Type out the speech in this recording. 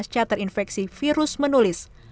setelah terinfeksi virus menulis